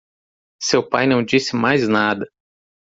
Seu pai não disse mais nada.